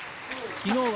きのうは